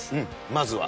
まずは。